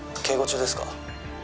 警護中ですか？」